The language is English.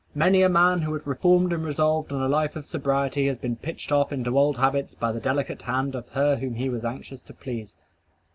Many a man who had reformed and resolved on a life of sobriety has been pitched off into old habits by the delicate hand of her whom he was anxious to please.